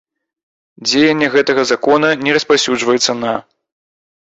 Дзеянне гэтага Закона не распаўсюджваецца на.